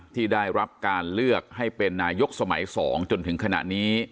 ที่ได้รับการเลือกให้เป็นนายกสมัย๒จนถึงขณะนี้